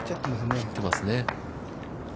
切ってますね。